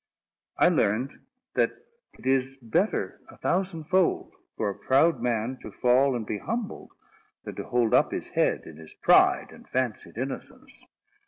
I learned that it is better, a thousand fold, for a proud man to fall and be humbled, than to hold up his head in his pride and fancied innocence.